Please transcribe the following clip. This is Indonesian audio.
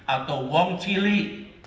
atau wong chilie